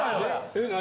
えっ何？